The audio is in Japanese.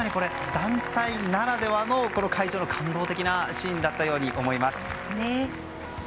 団体ならではの会場の感動的なシーンだったように思います。